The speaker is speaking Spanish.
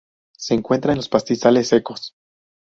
Se encuentra en los pastizales secos.